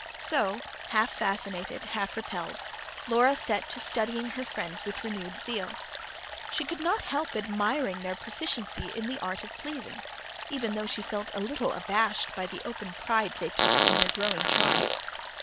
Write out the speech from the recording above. So, half fascinated, half repelled, Laura set to studying her friends with renewed zeal. She could not help admiring their proficiency in the art of pleasing, even though she felt a little abashed by the open pride they took in their growing charms.